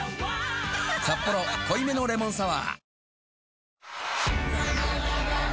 「サッポロ濃いめのレモンサワー」